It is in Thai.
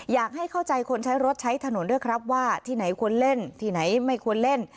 อยากให้เข้าใจคนใช้รถใช้ถนนด้วยครับว่าที่ไหนควรเล่นที่ไหนไม่ควรเล่น